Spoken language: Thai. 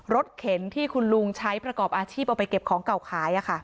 เข็นที่คุณลุงใช้ประกอบอาชีพเอาไปเก็บของเก่าขาย